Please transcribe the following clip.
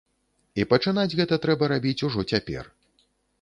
І пачынаць гэта трэба рабіць ужо цяпер.